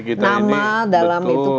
kita ini betul nama dalam itu